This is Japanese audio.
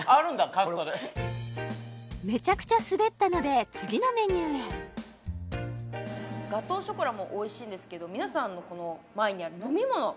カットでめちゃくちゃすべったので次のメニューへガトーショコラもおいしいんですけど皆さんのこの前にある飲み物